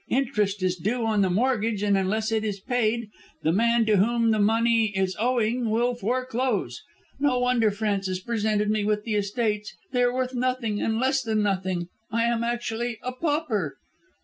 Interest is due on the mortgage, and unless it is paid, the man to whom the money is owing will foreclose. No wonder Francis presented me with the estates. They are worth nothing and less than nothing. I am actually a pauper."